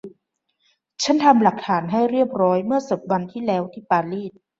ฉันทำหลักฐานให้เรียบร้อยเมื่อสิบวันที่แล้วที่ปารีส